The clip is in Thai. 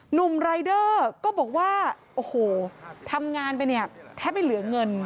หนุ่มรายเดอร์ก็บอกว่าโอ้โหทำงานไปเนี่ยแทบไม่เหลือเงิน